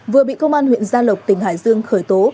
vừa bị công an huyện gia lộc tỉnh hải dương khởi tố